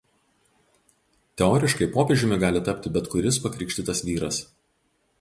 Teoriškai popiežiumi gali tapti bet kuris pakrikštytas vyras.